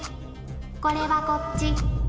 これはこっち。